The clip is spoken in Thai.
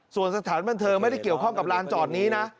ส่วนสถานบันเทิงไม่ได้เกี่ยวข้องกับลานจอดนี้นะ